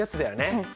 うん。